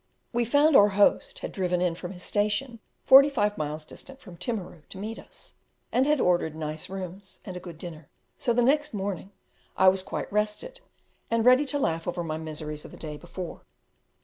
We found our host had driven in from his station forty five miles distant from Timaru, to meet us, and had ordered nice rooms and a good dinner; so the next morning I was quite rested, and ready to laugh over my miseries of the day before.